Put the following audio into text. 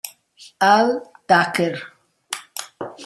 Al Tucker